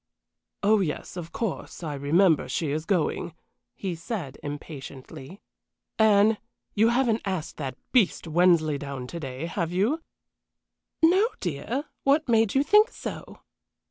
"Oh yes, of course, I remember she is going," he said, impatiently. "Anne, you haven't asked that beast Wensleydown to day, have you?" "No, dear. What made you think so?"